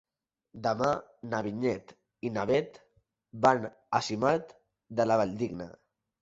Demà na Vinyet i na Bet van a Simat de la Valldigna.